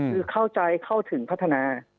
คือเข้าใจเข้าถึงพัฒนา